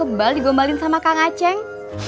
aduh kembal digombalin sama kang acing